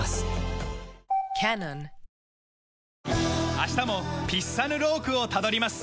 明日もピッサヌロークをたどります。